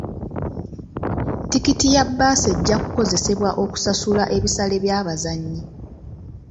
Tikiti ya bbaasi ejja kukozesebwa okusasula ebisale by'abazannyi .